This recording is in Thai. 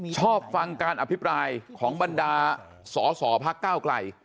ชอบฟังการอภิปรายของบรรดาสอสอพักก้าวไกล